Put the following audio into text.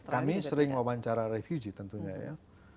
kami sering wawancara refugee tentunya ya